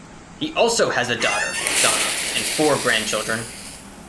He also has a daughter, Donna, and four grandchildren.